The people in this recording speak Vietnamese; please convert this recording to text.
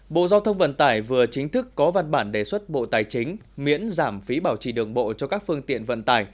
bộ giao thông vận tải vừa chính thức có văn bản đề xuất bộ tài chính miễn giảm phí bảo trì đường bộ cho các phương tiện vận tải